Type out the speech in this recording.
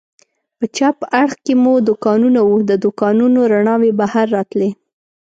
په چپ اړخ کې مو دوکانونه و، د دوکانونو رڼاوې بهر راتلې.